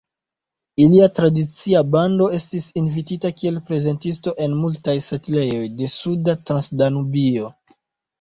Ilia "tradicia bando" estis invitita kiel prezentisto en multaj setlejoj de Suda Transdanubio.